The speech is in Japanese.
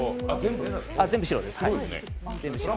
全部、白です。